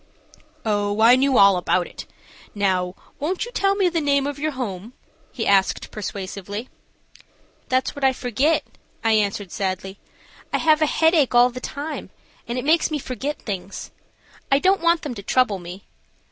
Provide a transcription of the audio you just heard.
"Oh, I knew all about it. Now, won't you tell me the name of your home?" he asked, persuasively. "That's what I forget," I answered, sadly. "I have a headache all the time, and it makes me forget things. I don't want them to trouble me.